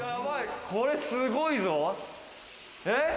これすごいぞ。